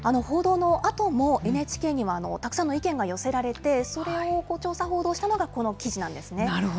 報道のあとも、ＮＨＫには、たくさんの意見が寄せられて、それを調査報道したのがこの記事なんですね。